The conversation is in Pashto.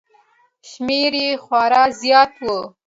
شمېر یې خورا زیات و